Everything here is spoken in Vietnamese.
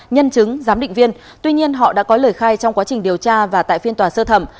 nhân chứng giám định viên tuy nhiên họ đã có lời khai trong quá trình điều tra và tại phiên tòa sơ thẩm